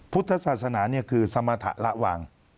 พุทธศาสนาคือสมรรถะละวาง